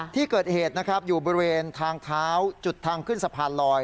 ที่เกิดเหตุนะครับอยู่บริเวณทางเท้าจุดทางขึ้นสะพานลอย